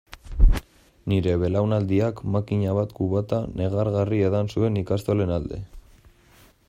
Nire belaunaldiak makina bat kubata negargarri edan zuen ikastolen alde.